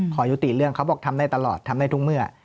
ขอยุติเรื่องเขาบอกทำได้ตลอดทำได้ทุกเมื่อ